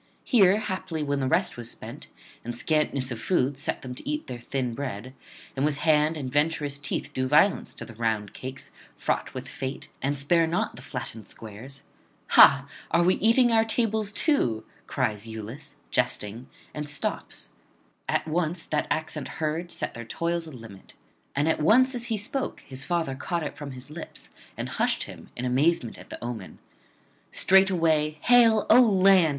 Here haply when the rest was spent, and scantness of food set them to eat their thin bread, and with hand and venturous teeth do violence to the round cakes fraught with fate and spare not the flattened squares: Ha! Are we eating our tables too? cries Iülus jesting, and stops. At once that accent heard set their toils a limit; and at once as he spoke his father caught it from his lips and hushed him, in amazement at the omen. Straightway 'Hail, O land!'